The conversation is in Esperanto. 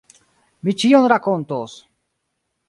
Mi ĉion rakontos!